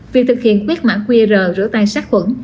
việc thực hiện quét mã qr rửa tay sát khuẩn